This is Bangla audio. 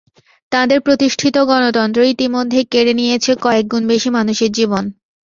তাঁদের প্রতিষ্ঠিত গণতন্ত্র ইতিমধ্যে কেড়ে নিয়েছে কয়েক গুণ বেশি মানুষের জীবন।